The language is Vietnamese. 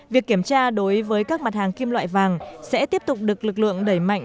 việc kiểm tra đối với các mặt hàng kim loại vàng sẽ tiếp tục được lực lượng đẩy mạnh